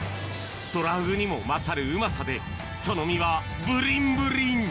トラフグにも勝るうまさでその身はぶりんぶりん！